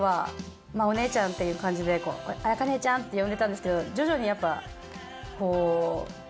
お姉ちゃんっていう感じで。って呼んでたんですけど徐々にやっぱ。